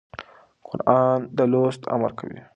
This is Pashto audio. قرآن د لوست امر کوي.